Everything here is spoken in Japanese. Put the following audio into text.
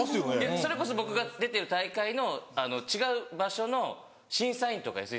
それこそ僕が出てる大会の違う場所の審査員とかで。